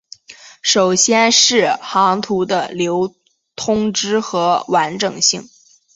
首先是航图的流通和完整性。